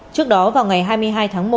trước đó vào ngày hai mươi hai tháng một